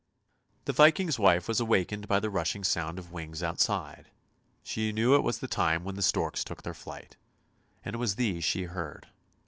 The Viking's wife was awakened by the rushing sound of wings outside; she knew it was the time when the storks took their flight, and it was these she heard.